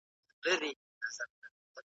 د همدې له برکته موږ ولیان یو .